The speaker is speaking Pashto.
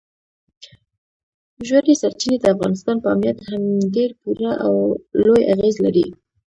ژورې سرچینې د افغانستان په امنیت هم ډېر پوره او لوی اغېز لري.